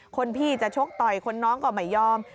คนพี่จะชกต่อยคนน้องก็ไม่ยอม